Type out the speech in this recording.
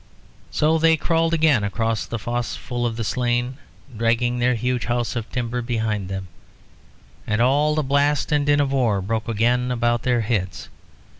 So they crawled again across the fosse full of the slain, dragging their huge house of timber behind them, and all the blast and din of war broke again about their heads.